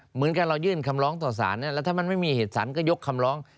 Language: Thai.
เหมือนกับเรายื่นคำร้องต่อสารแล้วถ้ามันไม่มีเหตุสารก็ยกคำร้อง